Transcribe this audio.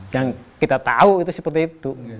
yang kita tahu itu seperti itu